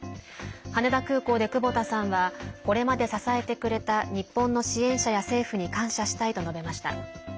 羽田空港で久保田さんはこれまで支えてくれた日本の支援者や政府に感謝したいと述べました。